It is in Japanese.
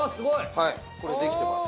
はいこれ出来てます